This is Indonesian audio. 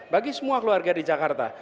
bagi semua keluarga di jakarta